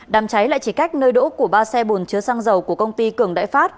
đám cháy lại chỉ cách nơi đỗ của ba xe bồn chứa xăng dầu của công ty cường đại phát